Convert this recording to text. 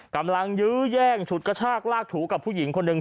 ยื้อแย่งฉุดกระชากลากถูกับผู้หญิงคนหนึ่ง